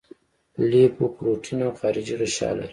لیپوپروټین او خارجي غشا لري.